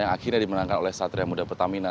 yang akhirnya dimenangkan oleh satria muda pertamina